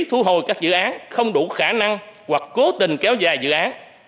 thu hồi các dự án không đủ khả năng hoặc cố tình kéo dài dự án